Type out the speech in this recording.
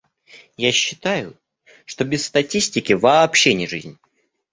Я считаю, что без статистики вообще не жизнь.